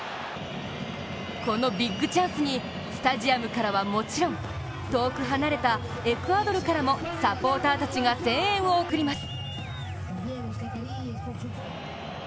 このビッグチャンスにスタジアムからはもちろん遠く離れたエクアドルからもサポーターたちが声援を送ります。